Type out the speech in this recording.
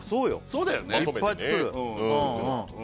そうだよね